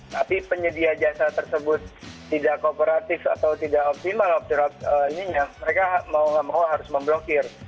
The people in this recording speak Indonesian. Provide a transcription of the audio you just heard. tapi penyedia jasa tersebut tidak kooperatif atau tidak optimal ininya mereka mau nggak mau harus memblokir